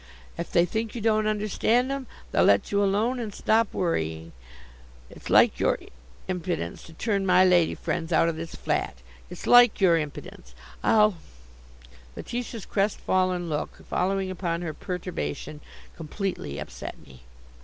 If they think you don't understand 'em, they'll let you alone and stop worriting. It's like your impidence to turn my lady friends out of this flat. It's like your impidence. I'll " Letitia's crestfallen look, following upon her perturbation, completely upset me.